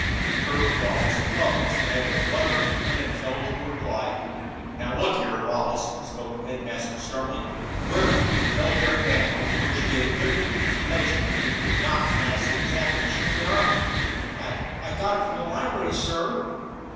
Herbert Wallace hung his head and muttered an unintelligible reply. "Now look here, Wallace," spoke the headmaster sternly, "where did you get the military manual from which you gave Goodwin the information that he could not pass the examination for the army?" "I I got it from the library, sir."